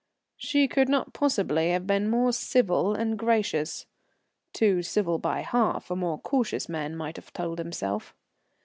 She could not possibly have been more civil and gracious. Too civil by half, a more cautious man might have told himself.